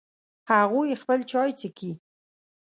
هغوی خپل چای څښي